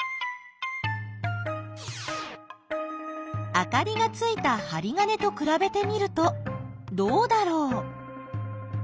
あかりがついたはり金とくらべてみるとどうだろう？